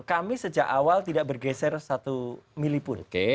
jadi kita dari awal tidak bergeser satu milipun